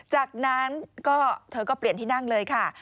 จากนั้นเธอก็เปลี่ยนที่นั่งเลยค่ะ